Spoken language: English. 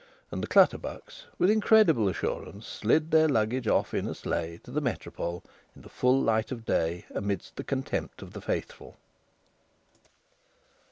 And the Clutterbucks, with incredible assurance, slid their luggage off in a sleigh to the Métropole, in the full light of day, amid the contempt of the faithful.